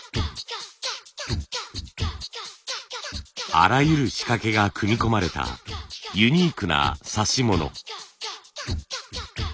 あらゆる仕掛けが組み込まれたユニークな指物。